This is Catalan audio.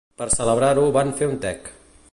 Per celebrar-ho van fer un tec.